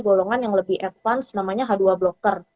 golongan yang lebih advance namanya h dua blocker